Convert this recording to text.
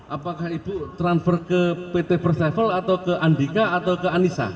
apakah ibu transfer ke pt first travel atau ke andika atau ke anissa